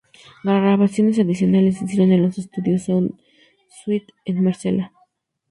Grabaciones adicionales se hicieron en los estudios Sound Suite en Marsella.